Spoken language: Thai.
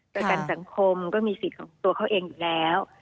และประกันสังคมก็ตัวเขาเองแล้ว